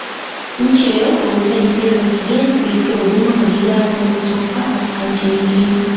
Nchi yoyote huhitaji fedha za kigeni kulipia huduma na bidhaa zinazotoka katika nchi nyingine